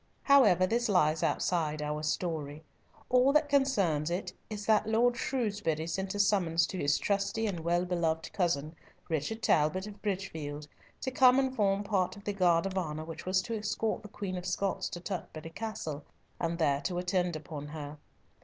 However, this lies outside our story; all that concerns it is that Lord Shrewsbury sent a summons to his trusty and well beloved cousin, Richard Talbot of Bridgefield, to come and form part of the guard of honour which was to escort the Queen of Scots to Tutbury Castle, and there attend upon her.